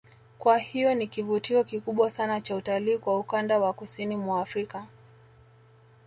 Kwa hiyo ni kivutio kikubwa sana cha utalii kwa ukanda wa kusini mwa Afrika